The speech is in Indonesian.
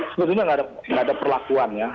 sebetulnya nggak ada perlakuan ya